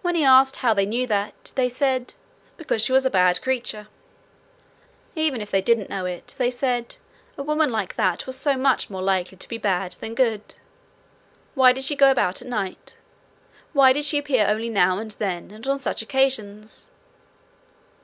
When he asked how they knew that, they said, because she was a bad creature. Even if they didn't know it, they said, a woman like that was so much more likely to be bad than good. Why did she go about at night? Why did she appear only now and then, and on such occasions?